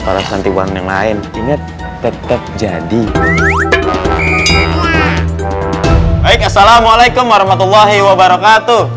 para santibuang yang lain inget tetap jadi baik assalamualaikum warahmatullahi wabarakatuh